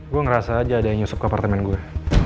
gua ngerasa aja ada yang nyusup ke apartemen gua